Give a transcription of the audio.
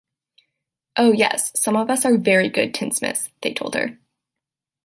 "Oh, yes; some of us are very good tinsmiths," they told her.